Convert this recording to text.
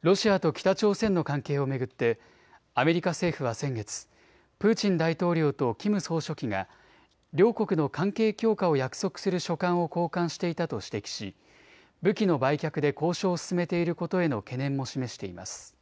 ロシアと北朝鮮の関係を巡ってアメリカ政府は先月、プーチン大統領とキム総書記が両国の関係強化を約束する書簡を交換していたと指摘し武器の売却で交渉を進めていることへの懸念も示しています。